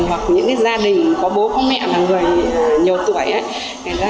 hoặc những cái gia đình có bố có mẹ và người nhiều tuổi ấy